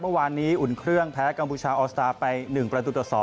เมื่อวานนี้อุ่นเครื่องแพ้กัมพูชาออสตาร์ไป๑ประตูต่อ๒